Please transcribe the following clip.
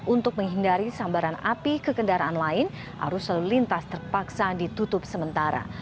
untuk menghindari sambaran api ke kendaraan lain arus lalu lintas terpaksa ditutup sementara